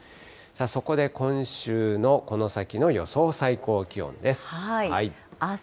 そこで今週のこの先の予想最高気温です。